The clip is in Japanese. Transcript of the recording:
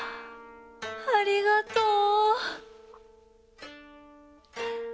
ありがとう！